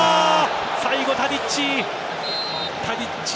最後、タディッチ。